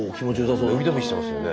伸び伸びしてましたよね。